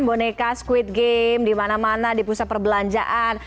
boneka squid game di mana mana di pusat perbelanjaan